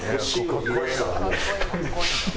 かっこいい。